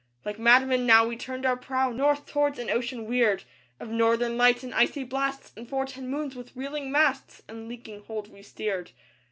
Like madmen now we turned our prow North, towards an ocean weird Of Northern Lights and icy blasts; And for ten moons with reeling masts And leaking hold we steered.